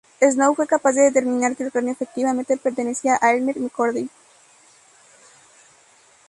Snow fue capaz de determinar que el cráneo efectivamente pertenecía a Elmer McCurdy.